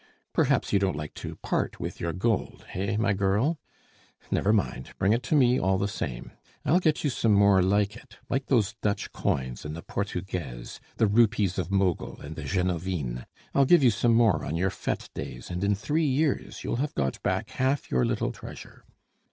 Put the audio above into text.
Perhaps you don't like to part with your gold, hey, my girl? Never mind, bring it to me all the same. I'll get you some more like it, like those Dutch coins and the portugaises, the rupees of Mogul, and the genovines, I'll give you some more on your fete days, and in three years you'll have got back half your little treasure.